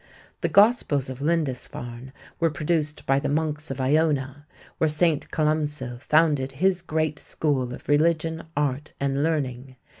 The Gospels of Lindisfarne were produced by the monks of Iona, where St. Columcille founded his great school of religion, art, and learning.